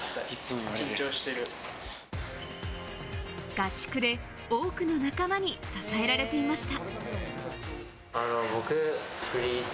合宿で多くの仲間に支えられていました。